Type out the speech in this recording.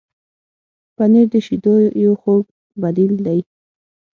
پنېر د شیدو یو خوږ بدیل دی.